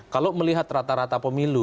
kalau melihat rata rata pemilu